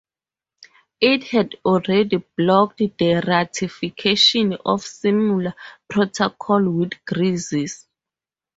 It had already blocked the ratification of similar protocol with Greece.